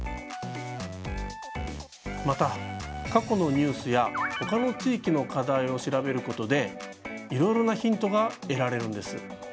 また過去のニュースや他の地域の課題を調べることでいろいろなヒントが得られるんです。